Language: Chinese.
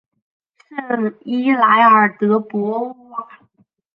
圣伊莱尔德博瓦。